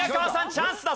チャンスだ。